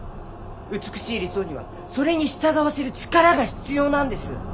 美しい理想にはそれに従わせる力が必要なんです。